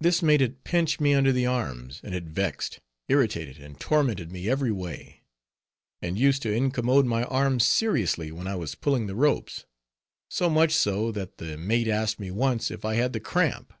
This made it pinch me under the arms, and it vexed, irritated, and tormented me every way; and used to incommode my arms seriously when I was pulling the ropes; so much so, that the mate asked me once if I had the cramp.